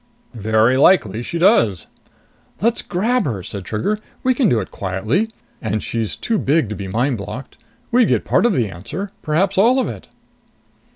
"Very likely she does." "Let's grab her!" said Trigger. "We can do it quietly. And she's too big to be mind blocked. We'd get part of the answer. Perhaps all of it!"